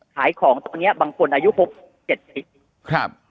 ภายของตอนนี้บางคนอายุปภพ๗นิตบัตร